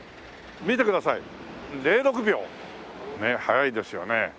見てください０６秒。ねえ早いですよね。